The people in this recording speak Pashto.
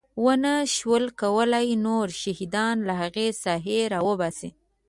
ونه شول کولی نور شهیدان له هغې ساحې راوباسي.